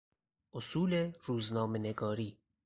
اصول روزنامه نگاری